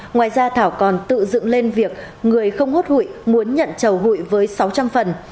ngoài ra thảo còn tự dựng lên việc người không hốt hụi muốn nhận chầu hụi với sáu trăm linh phần